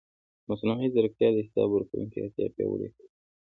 مصنوعي ځیرکتیا د حساب ورکونې اړتیا پیاوړې کوي.